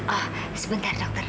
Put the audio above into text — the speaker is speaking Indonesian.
oh sebentar dokter